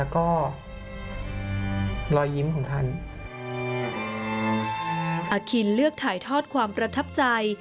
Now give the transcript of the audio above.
อฆิลเลือกถ่ายทอดความประทับใจ